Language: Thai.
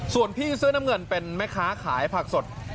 ส่วนพี่เสื้อน้ำเงินเป็นแม่ค้าขายผักสด